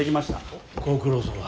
おっご苦労さま。